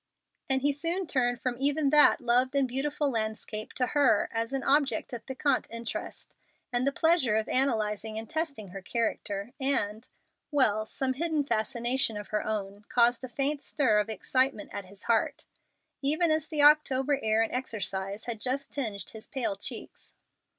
And he soon turned from even that loved and beautiful landscape to her as an object of piquant interest, and the pleasure of analyzing and testing her character, and well, some hidden fascination of her own, caused a faint stir of excitement at his heart, even as the October air and exercise had just tinged his pale cheeks.